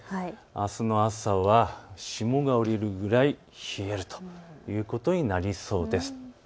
あすの朝は霜が降りるぐらい冷えるということになりそうです。